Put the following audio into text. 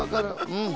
うん？